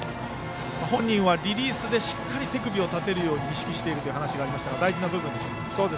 本人はリリースでしっかり手首を立てるようにと意識しているという話がありましたが大事な部分でしょう。